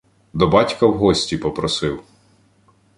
До батька в гості попросив.